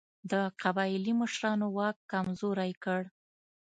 د قبایلي مشرانو واک کمزوری کړ.